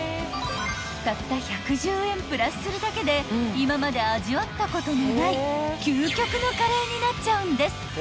［たった１１０円プラスするだけで今まで味わったことのない究極のカレーになっちゃうんです］